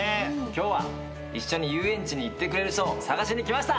今日は一緒に遊園地に行ってくれる人を探しに来ました！